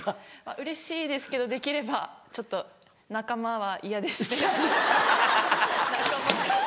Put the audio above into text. うれしいですけどできればちょっと仲間はイヤですね。